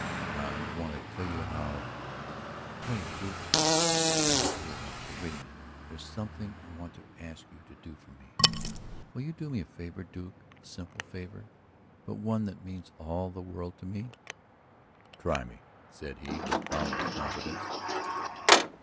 "I want to tell you how " "Wait, Duke I want to hear it all but wait a minute. There's something I want to ask you to do for me. Will you do me a favor, Duke, a simple favor, but one that means the world and all to me?" "Try me," said he, with boundless confidence.